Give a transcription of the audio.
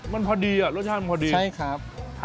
มันพอดีรสชาติมันพอดีใช่ครับใช่ครับ